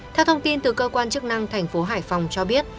theo thông tin từ cơ quan chức năng tp hải phòng cho biết